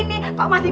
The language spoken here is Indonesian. bisa berubah juga